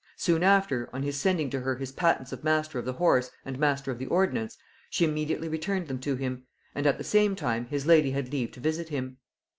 Soon after, on his sending to her his patents of master of the horse and master of the ordnance, she immediately returned them to him; and at the same time his lady had leave to visit him.